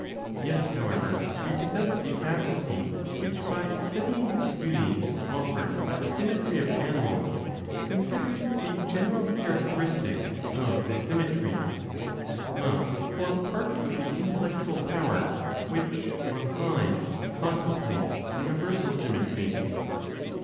If, however, we possess a faculty which, by studying the beauties offered by the symmetry of animals, considers the general characteristics of this symmetry, it must form part of the intellectual power which, on high, contemplates universal symmetry.